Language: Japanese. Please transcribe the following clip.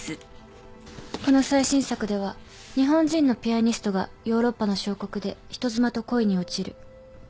この最新作では日本人のピアニストがヨーロッパの小国で人妻と恋に落ちる。